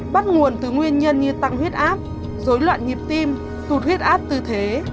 bắt nguồn từ nguyên nhân như tăng huyết áp dối loạn nhịp tim tụt huyết áp tư thế